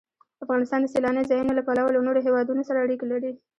افغانستان د سیلانی ځایونه له پلوه له نورو هېوادونو سره اړیکې لري.